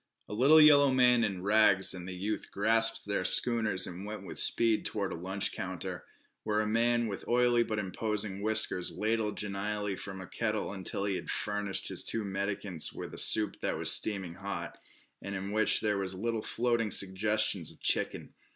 A little yellow man in rags and the youth grasped their schooners and went with speed toward a lunch counter, where a man with oily but imposing whiskers ladled genially from a kettle until he had furnished his two mendicants with a soup that was steaming hot, and in which there were little floating suggestions of chicken.